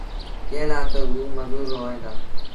ڪݩهݩ لآ تا اوٚ مزوٚر هوئي دو